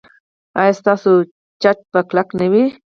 ایا ستاسو چت به کلک نه وي؟